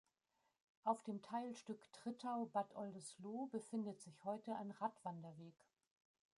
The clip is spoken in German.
Auf dem Teilstück Trittau–Bad Oldesloe befindet sich heute ein Radwanderweg.